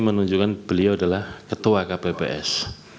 menunjukkan beliau adalah ketua kpps